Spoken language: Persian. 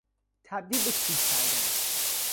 تبدیل به چوب کردن